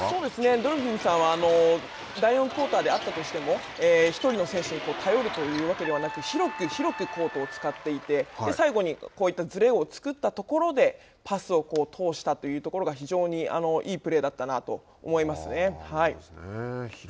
ドルフィンズさんは、第４クオーターであったとしても一人の選手に頼るというわけではなく、広く広くコートを使っていて最後にこういったずれを作ったところで、パスを通したというところが非常にいいプレーだったなと思い